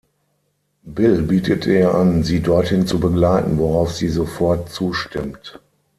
Bill bietet ihr an, sie dorthin zu begleiten, worauf sie sofort zustimmt.